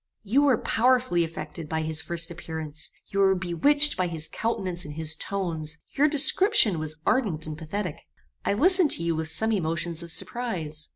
"You were powerfully affected by his first appearance; you were bewitched by his countenance and his tones; your description was ardent and pathetic: I listened to you with some emotions of surprize.